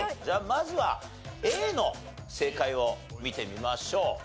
じゃあまずはＡの正解を見てみましょう。